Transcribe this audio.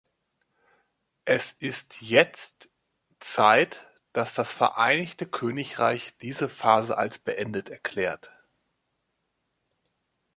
Es ist jetzt Zeit, dass das Vereinigte Königreich diese Phase als beendet erklärt.